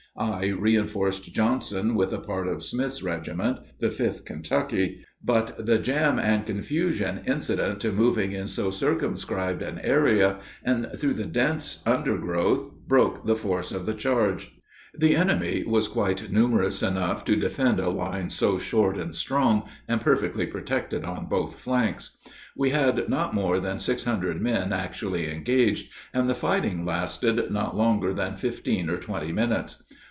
I reinforced Johnson with a part of Smith's regiment, the 5th Kentucky, but the jam and confusion incident to moving in so circumscribed an area and through the dense undergrowth broke the force of the charge. The enemy was quite numerous enough to defend a line so short and strong and perfectly protected on both flanks. We had not more than six hundred men actually engaged, and the fighting lasted not longer than fifteen or twenty minutes.